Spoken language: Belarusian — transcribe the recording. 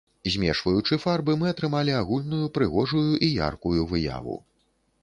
Змешваючы фарбы, мы атрымалі агульную прыгожую і яркую выяву.